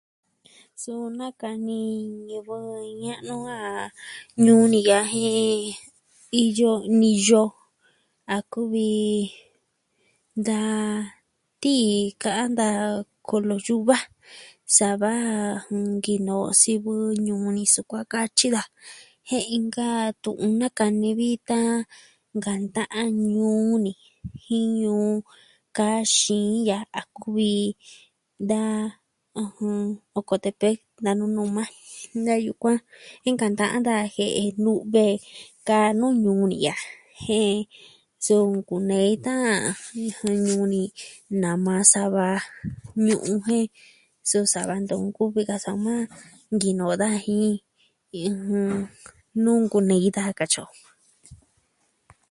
Suu nakani ñivɨ ña'nu a ñuu ni ya'a jen... iyo, niyo a kuvi... da... tii ka'an daja kolo yuva. Sa va nkinoo sivɨ ñuu ni sukuan katyi daja jen inka tu'un nakani vi da nkanta'an a ñuu ni jin ñuu ka xiin yaa a kuvi da... ɨjɨn... Ocotepec da Nunuma. Da yukuan jen nkanta'an daja jie'e nu've kaa nuu ñuu ni ya'a. Jen su nkunei tan ñuu ni nama jan sava ñu'un jen su sava ntu nkuvi ka soma nkinoo daja jin ɨjɨ... nuu nkunei daja katyi o.